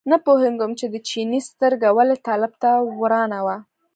نه پوهېږم چې د چیني سترګه ولې طالب ته ورانه وه.